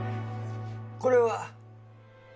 これは？